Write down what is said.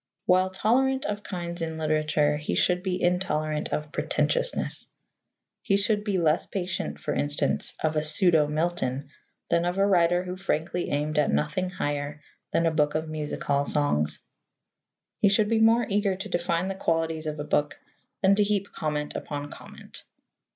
While tolerant of kinds in literature, he should be intolerant of pretentiousness. He should be less patient, for instance, of a pseudo Milton than of a writer who frankly aimed at nothing higher than a book of music hall songs. He should be more eager to define the qualities of a book than to heap comment upon comment.